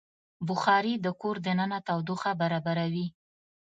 بخاري د کور دننه تودوخه برابروي.